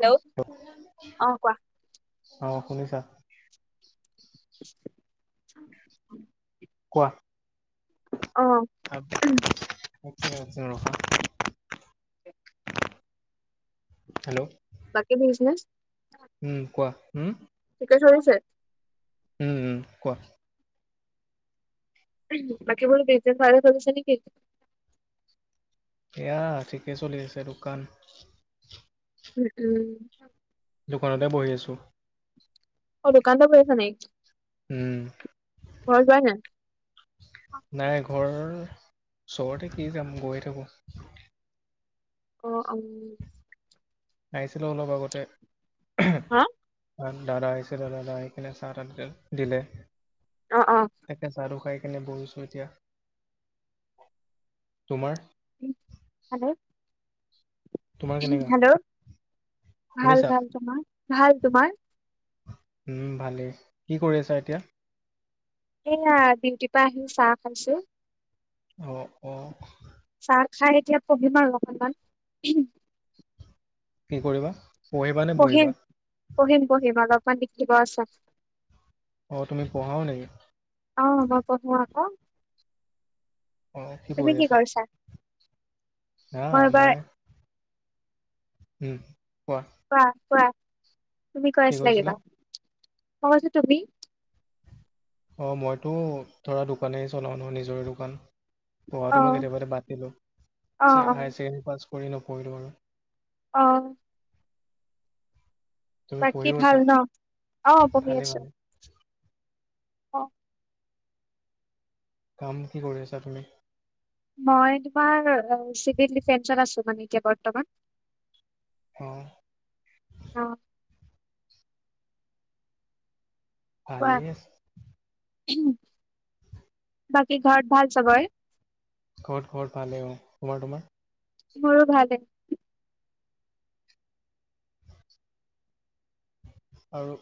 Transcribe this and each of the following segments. Hello অ', কোৱা। অ', শুনিছা? কোৱা অ' আছা উম, আছা ৰখা হেল্ল' বাকী বিজনেছ উম কোৱা উম চলছে উম কোৱা বাকি বোৰ বিজনেছ ভালে চলিছে নে কি এয়া ঠিকে চলি আছে দোকান উম, উম। দোকানতে বহি আছোঁ। অহ দোকানটে বহি আছা নেকি, উম ঘৰ যোৱাই নাই নাই ঘৰ, চবতে কি যাম গৈয়ে থাকো চোন অহ, উম। খাইছিলোঁ অলপ আগতে হা দাদা আহিছিলে, দাদা আহি কিনে চাহ তাহ দিলে অ' অ'। তাকে চাহটো খাই কেনে বহিছোঁ এতিয়া, তোমাৰ হেল্ল তোমাৰ কেনেকা হেল্ল, ভাল শুনিছা ভাল তোমাৰ, ভাল তোমাৰ উম ভালেই, কি কৰি আছা এতিয়া এয়া, ডিউটিৰ পৰা আহি চাহ খাইছোঁ। অহ অহ চাহ খাই এতিয়া পঢ়িম আৰু অকনমান কি কৰিবা? পঢ়িবা নে পঢ়িম, বহিবা পঢ়িম পঢ়িম অলপমান লিখিব আছে। অহ, তুমি পঢ়াও নেকি অহ মই পঢ়ো আক অহ কৰি আছা? আহ মই উম কোৱা কোৱা, তুমি কৈ কি আছিলা কৈছিলা? কিবা মই কৈছোঁ তুমি অ', মইতো ধৰা দোকানেই চলাও ন' নিজৰে দোকান। পঢ়াটো মই অ' কেতিয়াবাতে বাদ দিলোঁ, অ' অ'। হায়াৰ ছেকেণ্ডৰী পাছ কৰি নপঢ়িলো আৰু। অ'। তুমি বাকী পঢ়িও ভাল আছা ন' অ', বহি ভালে আছোঁ। ভালে। অ'। কাম কি কৰি আছা তুমি? মই তোমাৰ চিভিল ডিফেন্সত আছোঁ মানে এতিয়া বৰ্তমান। অহ। অ কোৱা ভালেই। বাকী ঘৰত ভাল চবৰে? ঘৰত ঘৰত ভালে অ', তোমাৰ, তোমাৰ? মোৰো ভালে। আৰু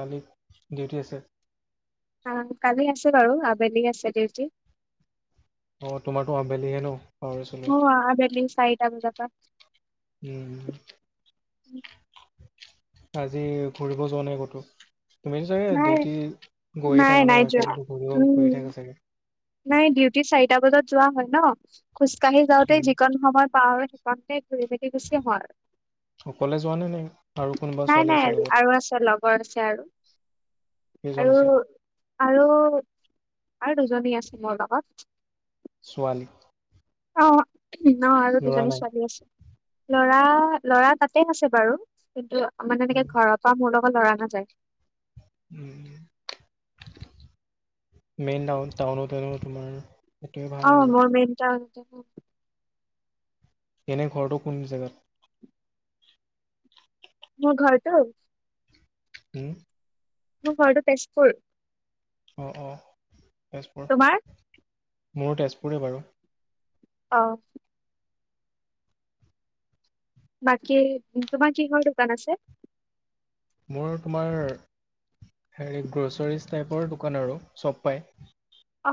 কালি ডিউটি আছে? আহ, কালি আছে বাৰু আবেলি আছে ডিউটি। অ', তোমাৰটো আবেলিহে ন'। পাহৰি আছিলোঁ। অ', আবেলি চাৰিটা বজাৰ পৰা। উম। উম। আজি ঘূৰিব যোৱা নাই ক'তো? তুমিতো চাগে নাই ডিউটি গৈয়ে নাই থাকা নাই যোৱা ন' [unintelligible] ঘূৰিও ঘূৰি উম থাকা চাগে? নাই ডিউটি চাৰিটা বজাত যোৱা হয় ন' খোজকাঢ়ি যাওঁতে উম, যিকণ সময়ত পাওঁ সেইকণতে ঘূৰি পাকি গুছি আহো আৰু। অকলে যোৱা নে নে আৰু কোনোবা নাই, ছোৱালী আছে নাই লগত? আৰু আছে লগৰ আছে আৰু। কেইজন আৰু আছে আৰু আৰু দুজনী আছে মোৰ লগত ছোৱালী অ অ আৰু ল'ৰা দুজনী নাই। ছোৱালী আছে লৰা ল'ৰা তাতে আছে বাৰু কিন্তু মানে এনেকে ঘৰৰ পৰা মোৰ লগ ত লৰা নাযায় মেইন টাউ টাউনতে ন তোমাৰ সেইটোৱে ভাল অ আৰু মোৰ মেইন টাউন এনে ঘৰটো কোন জেগাত মোৰ ঘৰটো উম মোৰ ঘৰটো তেজপুৰ অঁ অঁ তেজপুৰ তোমাৰ মোৰো তেজপুৰে বাৰু অ বাকী তোমাৰ কিহৰ দোকান আছে মোৰ তোমাৰ হেৰি গ্ৰ'চাৰীজ টাইপৰ দোকান আৰু চব পাই অ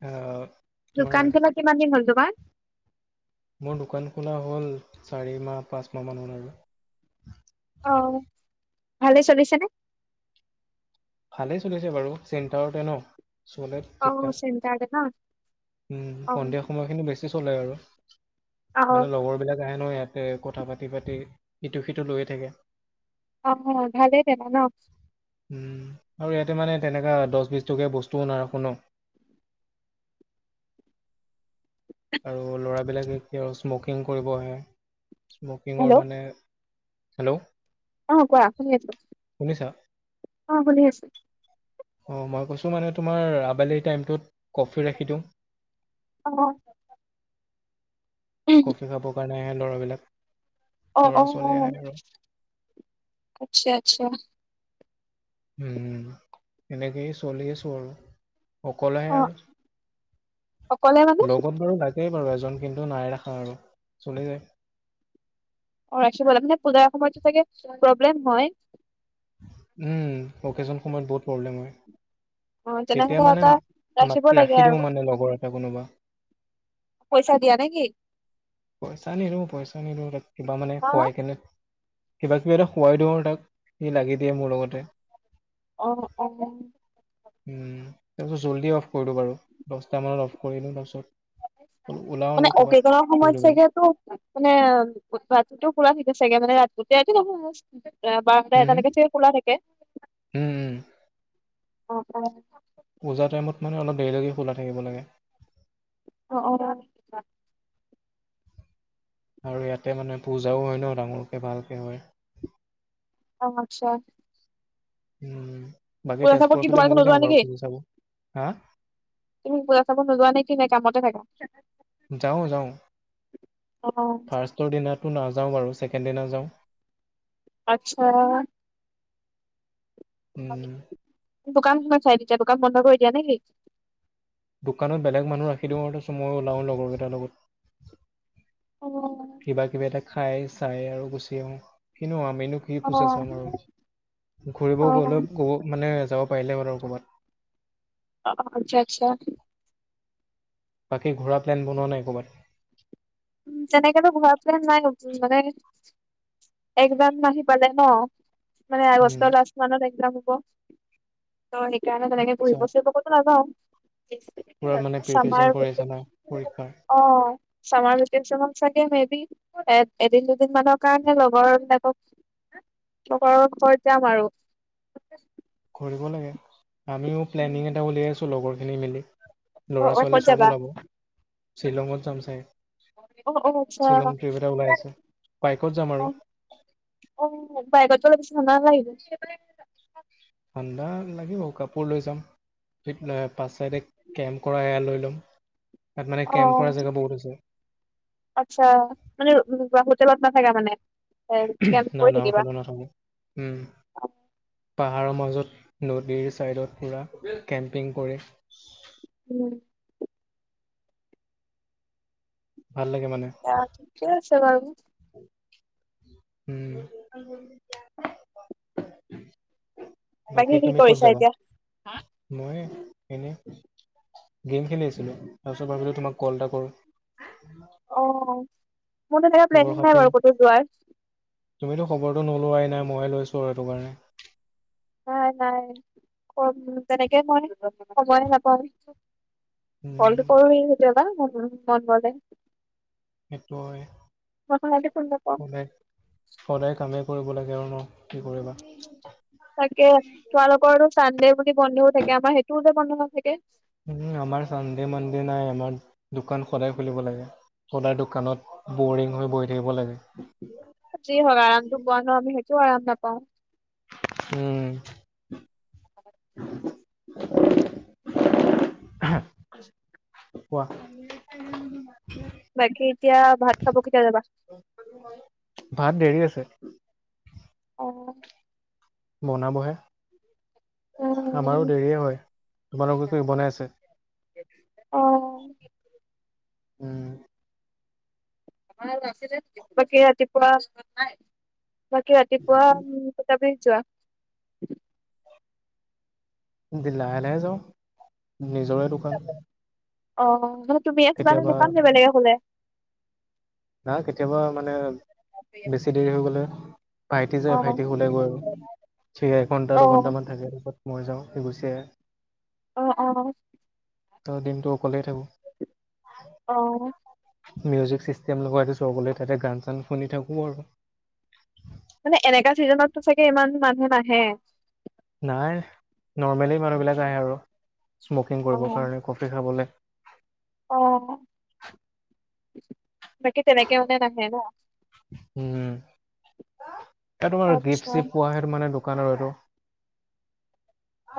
অ দোকান খোলা কিমান দিন হ'ল তোমাৰ মোৰ দোকান খোলা হ'ল চাৰি মাহ পাঁচ মাহ মান আৰু আহ ভালেই চলিছেনে ভালেই চলিছে বাৰু চেণ্টাৰতে ন অ, চেণ্টাৰ দে না। উম, সন্ধিয়া সময় খিনি বেছি চলে আৰু। অ মানে লগৰবিলাক আহে ন' ইয়াতে কথা পাতি- পাতি ইিটো সিটো লৈয়ে থাকে। অ, ভালেই দাদা ন' উম, আৰু ইয়াতে মানে তেনেকুৱা দছ, বিছ টকীয়া বস্তুও নাৰাখো ন'। [inaudible] আৰু ল'ৰাবিলাকে এতিয়াও স্মকিং কৰিব আহে। স্মকিঙৰ হেল্ল' মানে হেল্ল', অ, কোৱা শুনি আছো শুনিছা [unintelligible] অ, শুনি আছো। অ, মই কৈছো মানে তোমাৰ আবেলি টাইমটোত কফি ৰাখি দিওঁ। অ কফি খাবৰ কাৰণে আহে ল'ৰাবিলাক অ', ল'ৰা অ', ছোৱালী আহে অ', আৰু আচ্ছা-আচ্ছা। উম, এনেকেই চলি আছো আৰু। অকলেহে অ আৰু অকলে মানে লগত বাৰু লাগ সেই বাৰু এজন কিন্তু নাই ৰাখা আৰু চলি যায়। অ, ৰাখিব লাগে মানে পূজাৰ সময়ত তো চাগে প্ৰব্লেম হয়। উম, অকেজনৰ সময়ত বহুত প্ৰব্লেম হয়। অ তেতিয়া তেনেহলে মানে এটা ৰাখিব মাত লাগে ৰাখি আৰু দিওঁ মানে লগৰ এটা কোনোবা। পইচা দিয়া নে কি পইচা নিদিও পইচা উম-উম তাক কিবা মানে অ খোৱাই কেনে কিবা-কিবি এটা খোৱাই দিওঁ আৰু তাক সি লাগি দিয়ে মোৰ লগতে। অ অঁ উ তাৰপিছত জল্দি অফ কৰোঁ বাৰু দহটা মানত অফ কৰিলো তাৰপিছত ওলাও মানে আৰু ক'ৰবাত অকেজনৰ সময়ত কৰিবলৈ চাগে তো মানে ভাততো পুৰা চাগে মানে ৰাতি গোটে ৰাতি নহয়। এ বাৰটা হম হম এটালৈকে চাগে খোলা থাকে, উম উম অ অঁ, পূজা টাইমত মানে অলপ দেৰিলৈকে খোলা থাকিব লাগে। অ অ অ। আৰু ইয়াতে মানে পূজাও হয় ন ডাঙৰকে ভালকে হয়। অ আটচা। উ বাকী তেজপুৰৰ কি ফালে তোমালোকে ময়ো নোযোৱা যাওঁ নেকি বাৰু পূজা চাব হা তুমি পুজা চাব নোযোৱা নে কি নাই কামতে থাকা? যাওঁ যাওঁ অ ফাৰ্ষ্টৰ দিনাটো নাযাওঁ বাৰু ছেকেণ্ড দিনা যাওঁ। আটচা, উম দোকান কোনে চাই তেতিয়া দোকান বন্ধ কৰি দিয়া নেকি? দোকানত বেলেগ মানুহ ৰাখি দিওঁ তাৰপিছত ময়ো ওলাওঁ লগৰকেইটাৰ লগত। অ কিবা কিবি এটা খাই চাই আৰু গুচি আহো কিনো আও। মইনো পুজা ছাম আৰু, অ ঘূৰিব অ', গলে কব মানে যাব পাৰিলে হল আৰু অকণমান, অ আটচা আটচা। বাকী ঘুৰাৰ প্লেন বনোৱা নাই কৰবাত? তেনেকেতো ঘুৰা প্লেন নাই মানে, একজাম আহ আহি পালে ন? মানে উম আগষ্টৰ লাষ্ট মানত একজাম হ'ব। ত সেইকাৰণে তেনেকে চা ফুৰিব চুুৰিব কতো নাযাও পুৰা মানে প্ৰিপেৰেচন চামাৰ কৰি আছা না পৰীক্ষাৰ অ চামাৰ ভিক ভিকেচনত চাগে মে বি এ এদিন দুদিন মানৰ কাৰণে লগৰ বিলাকক লগৰ ঘৰত যাম আৰু কৰিব লাগে, আমিও প্লেনিং এটা উলিয়াইছোঁ লগৰ খিনি মিলি ল'ৰা অ', অ', ক'ত ছোৱালীয়ে চব যাবা? ওলাব শ্বিলঙত যাম চাগে। অ', অ', আচ্ছা শ্বিলং ট্ৰিপ এটা ওলাই আছে বাইকত যাম আৰু অ', অ বাইকত গলে ঠাণ্ডা নালাগিব ঠাণ্ডা লাগিব কাপোৰ লৈ যাম পাঁচ চাইডে কেম্প কৰা এয়াৰ লৈ ল'ম তাত মানে অ কেম্প কৰা জেগা বহুত আছে আচ্ছা মানে হোটেলত নাথাকা মানে এ কেম্প নাই কৰি নাই থাকিবা। হোটেলত নাথাকো উম পাহাৰৰ মাজত নদীৰ ছাইডত পুৰা কেম্পিং কৰি উম ভাল লাগে মানে তাত ঠিকে আছে বাৰু উম বাকী কি তুমি ক'ত কৰিছা যাবা এতিয়া? মই এনেই গেম খেলি আছিলো তাৰপিছত ভাবিলোঁ তোমাক কল এটা কৰো অ মোৰতো ধেৰ খবৰ প্লেনিং নাই খাতি বাৰু ক'তো যোৱাৰ তুমিতো খবৰটো নোলোৱাই নাই মইয়ে লৈছো আৰু সেইটো কাৰণে নাই নাই কম তেনেকেই মই সময় নাপাওঁ কলটো উম কৰোৱে কেতিয়াবা মন মন গলে সেইটো হয় মই সাধাৰণতে ফোন নকৰো সদায় সদায় কামেই কৰিব লাগে আৰু ন কি কৰিবা তাকে তোমালোকৰো চানডে বুলি বন্ধও থাকে আমাৰ সেইটোওতে বন্ধ নাথাকে। উম আমাৰ চানডে মানডে নাই আমাৰ দোকান সদায় খুলিব লাগে। সদায় দোকানত বৰিং হৈ বহি থাকিব লাগে। যি হয় আৰামটো পোৱা ন আমি সেইটোও আৰাম নাপাওঁ। উম কোৱা। বাকী এতিয়া ভাত খাব কেতিয়া যাবা। ভাত [inaudible] অ, বনা বহে, আমাৰো উম দেৰিয়ে হয় তোমালোক একো বনাই আছে। অ, উম বাকি ৰাতিপুৱা, বাকি ৰাতিপুৱা কেইটা বজাত যোৱা। লাহে লাহে যাওঁ নিজৰে দোকান। অ মানে তুমি আছা ন কেতিয়াবা কাম যে বেলেগে কলে, না কেতিয়াবা মানে বেছি দেৰি হৈ গ'লে ভাইটি অ যায় ভাইটি খোলে গৈ, ঠিক এঘন্টা অ দুঘন্টাামান থাকে তাৰছত মই যাওঁ সি গুছি আহে, অ অ, ত দিনটো অকলেই থাকো অ মিউজিক, তেওঁলোকৰটো চৰকলে তাতে গান চান শুনি থাকো আৰু মানে, এনেকা ছিজনতটো চাগে ইমান মানুহে নাহে। নাই নৰ্মেলি মানুহবিলাক আহে আৰু স্মকিং অ কৰিবৰ কাৰণে, ক'ফি খাবলে। অ' বাকী তেনেকে মানে নাহে ন? উম, এই তোমাৰ আচ্ছা গিপ-চিপ পোৱা সেইটো মানে দোকানৰ এইটো।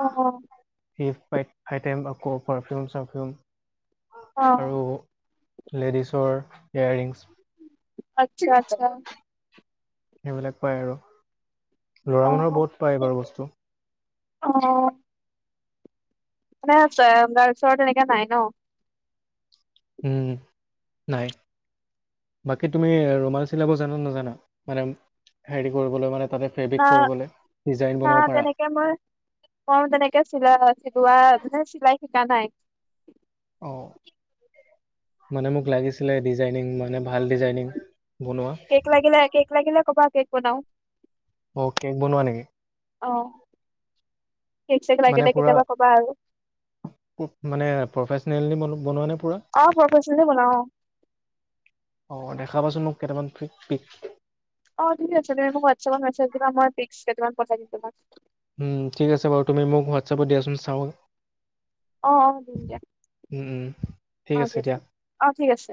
অ ফাই টাইম আকৌ পাৰফিউম চাৰফিউম অ আৰু লেডিছৰ ইয়োৰৰিংছ। আটচ্ছা আটচ্ছা। সেইবিলাক পায় আৰু ল'ৰা মানুহৰ বহুত পায় বাৰু বস্তু। আহ। মানে, গাৰ্লছ তেনেকা নাই ন? উম নাই। বাকী, তুমি ৰোমাল চিলাব জানানে নাজানা? মানে হেৰি কৰিবলৈ মানে তাতে ফেব্ৰিক না কৰিবলে। না, তেনেকে মই মই তেনেকে চিলা চিলোৱা মানে চিলাই শি কা নাই অ মানে মোক লাগিছিলে ডিজাইনিং মানে ভাল ডিজাইনিং বনোৱা কেক লাগিলে কেক লাগিলে কবা কেক বনাওঁ অ কেক বনোৱা নেকি অ কেক চেক মানে লাগিলে পূৰা কেতিয়াবা কবা আৰু মানে প্ৰফেচনেলি বনোৱা নে পূৰা অ প্ৰফেচনে বনাও অ দেখাবা চোন মোক কেইটামান পিক পিক অ ঠিক আছে হব দে তুমি মোক হোৱাটচ এপত মেছেজ দিবা মই পিক্স কেটামান পঠাই দিম তোমাক। উম ঠিক আছে বাৰু তুমি মোক হোৱাটছএপত দিয়াচোন চাও। অ অ দিম দিয়া। উম, উম, ঠিক অ দি আছে দিয়া আছোঁ অ ঠিক আছে।